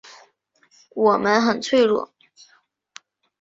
我们很脆弱